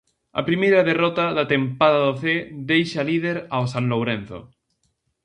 A primeira derrota da tempada do Cee deixa líder ao San Lourenzo.